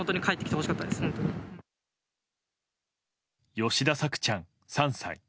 吉田朔ちゃん、３歳。